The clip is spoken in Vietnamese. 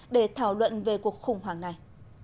để thảo luận về cuộc khủng hoảng này